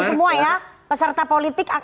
semua ya peserta politik